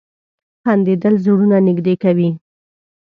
• خندېدل زړونه نږدې کوي.